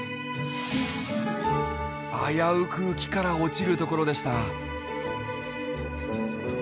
危うく木から落ちるところでした。